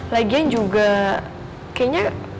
lagian juga kayaknya